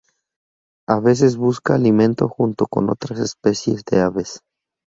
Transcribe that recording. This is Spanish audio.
A veces busca alimento junto con otras especies de aves.